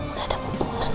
udah ada pupus ada masalah